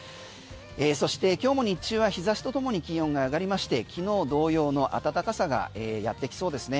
そして今日も日中は日差しとともに気温が上がりまして昨日同様の暖かさがやってきそうですね。